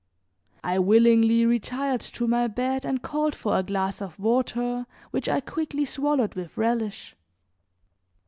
I willingly retired to my bed and called for a glass of water, which I quickly swallowed with relish.